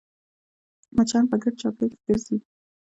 مچان په ګرد چاپېریال کې ګرځي